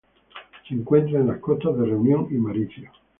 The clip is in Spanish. Se encuentran en las costas de Reunión y Mauricio.